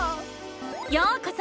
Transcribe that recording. ようこそ！